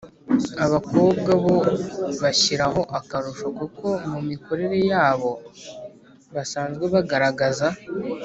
abakobwa bo bashyiraho akarusho kuko mu mikorere yabo basanzwe bagaragaza